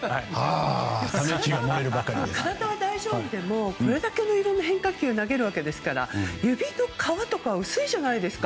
体は大丈夫でもこれだけいろいろな変化球を投げるわけですから指の皮とか薄いじゃないですか。